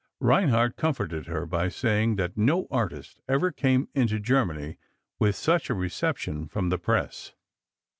Reinhardt comforted her by saying that no artist ever had come into Germany with such a reception from the press.